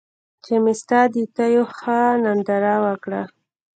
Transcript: چې مې ستا د تېو ښه ننداره وکــړه